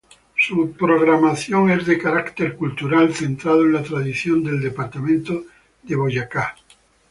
Su programación es de carácter cultural, centrado en las tradiciones del departamento de Boyacá.